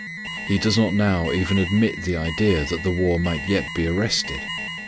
He does not even admit the idea that the war might yet be arrested.